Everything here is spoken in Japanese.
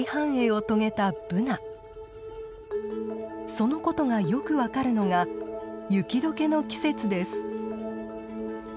そのことがよく分かるのが雪解けの季節です。